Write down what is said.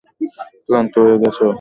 ক্লান্ত হয়ে গেছো?